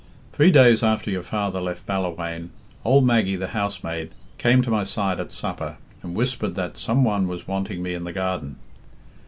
"Three days after your father left Ballawhaine, old Maggie, the housemaid, came to my side at supper and whispered that some one was wanting me in the garden.